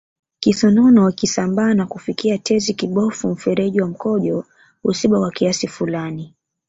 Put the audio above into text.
Kisonono ikisambaa na kufikia tezi kibofu mfereji wa mkojo huziba kwa kiasi fulani